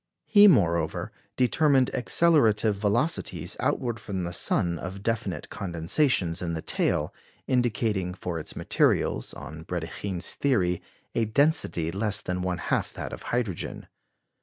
He, moreover, determined accelerative velocities outward from the sun of definite condensations in the tail, indicating for its materials, on Brédikhine's theory, a density less than one half that of hydrogen.